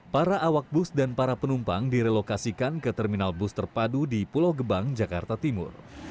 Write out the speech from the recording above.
para awak bus dan para penumpang direlokasikan ke terminal bus terpadu di pulau gebang jakarta timur